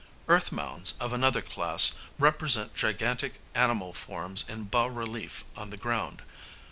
Earth mounds of another class represent gigantic animal forms in bas relief on the ground.